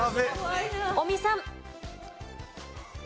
尾美さん。